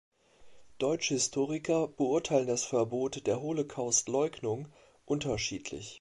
Deutsche Historiker beurteilen das Verbot der Holocaustleugnung unterschiedlich.